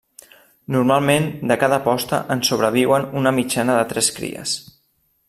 Normalment de cada posta en sobreviuen una mitjana de tres cries.